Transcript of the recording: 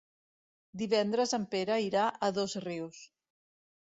Divendres en Pere irà a Dosrius.